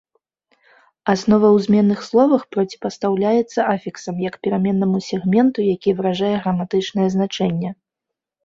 Аснова ў зменных словах проціпастаўляецца афіксам, як пераменнаму сегменту, які выражае граматычнае значэнне.